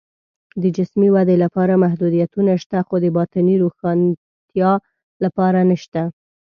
د جسمي ودې لپاره محدودیتونه شته، خو د باطني روښنتیا لپاره نشته